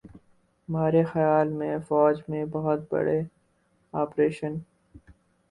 مارے خیال میں فوج میں بہت بڑے آپریشن